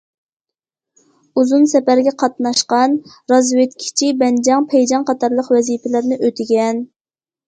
ئۇزۇن سەپەرگە قاتناشقان، رازۋېدكىچى، بەنجاڭ، پەيجاڭ قاتارلىق ۋەزىپىلەرنى ئۆتىگەن.